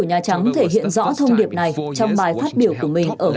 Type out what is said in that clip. nhà trắng thể hiện rõ thông điệp này trong bài phát biểu của mình ở hội nghị